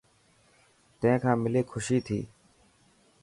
تين کان ملي خوشي ٿيي.